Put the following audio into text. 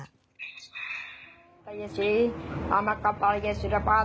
ออกไปออกไป